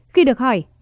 khi được hỏi